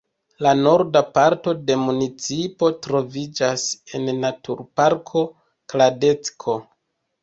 La norda parto de municipo troviĝas en naturparko Kladecko.